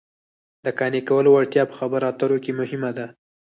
د قانع کولو وړتیا په خبرو اترو کې مهمه ده